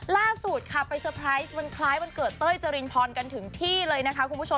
ล่าสุดค่ะไปเตอร์ไพรส์วันคล้ายวันเกิดเต้ยจรินพรกันถึงที่เลยนะคะคุณผู้ชม